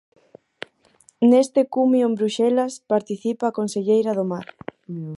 Neste cumio en Bruxelas participa a conselleira do Mar.